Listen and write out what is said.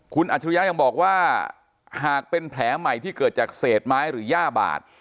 คุณอัจฉริยะยังบอกว่าหากเป็นแผลใหม่ที่เกิดจากเศษไม้หรือย่าบาด